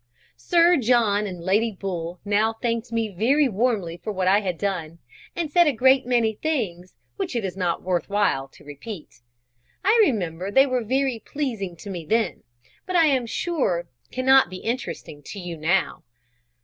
Sir John and Lady Bull now thanked me very warmly for what I had done, and said a great many things which it is not worth while to repeat. I remember they were very pleasing to me then, but I am sure cannot be interesting to you now.